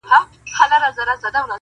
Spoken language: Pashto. چي پښتانه په جبر نه- خو په رضا سمېږي--!